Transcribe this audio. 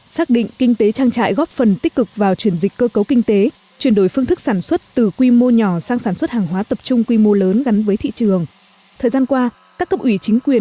các bạn hãy đăng ký kênh để ủng hộ kênh của chúng mình nhé